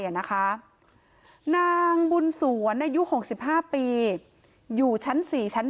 อ่ะนะคะนางบุญสวนอายุหกสิบห้าปีอยู่ชั้นสี่ชั้น